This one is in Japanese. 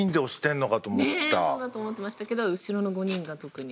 そうだと思ってましたけど後ろの５人が特に。